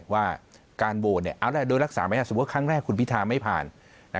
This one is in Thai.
ว่าการโหวตโดยรักษาไหมสมมุติครั้งแรกคุณพิธาไม่ผ่าน